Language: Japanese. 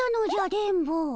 電ボ。